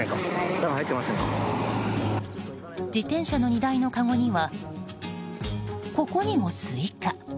自転車の荷台のかごにはここにもスイカ。